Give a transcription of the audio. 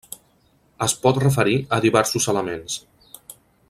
Es pot referir a diversos elements.